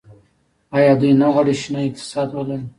آیا دوی نه غواړي شنه اقتصاد ولري؟